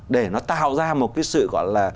để nó tạo ra một cái sự gọi là